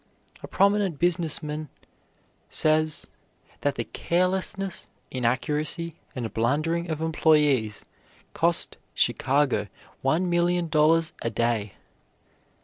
A prominent business man says that the carelessness, inaccuracy, and blundering of employees cost Chicago one million dollars a day.